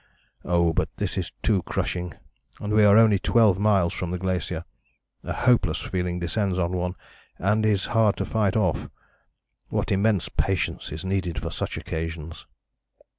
Oh! But this is too crushing, and we are only 12 miles from the glacier. A hopeless feeling descends on one and is hard to fight off. What immense patience is needed for such occasions!"